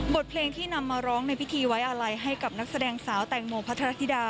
เพลงที่นำมาร้องในพิธีไว้อาลัยให้กับนักแสดงสาวแตงโมพัทรธิดา